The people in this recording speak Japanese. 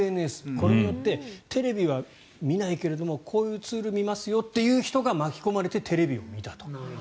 これによってテレビは見ないけどこういうツールは見ますよという方が巻き込まれてテレビを見た。